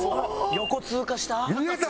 横通過した？